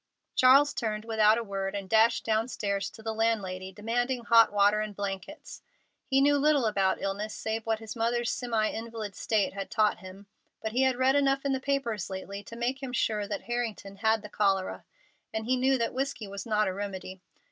Charles turned without a word and dashed downstairs to the landlady, demanding hot water and blankets. He knew little about illness, save what his mother's semi invalid state had taught him, but he had read enough in the papers lately to make him sure that Harrington had the cholera, and he knew that whiskey was not a remedy.